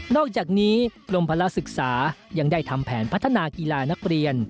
อกจากนี้กรมพละศึกษายังได้ทำแผนพัฒนากีฬานักเรียน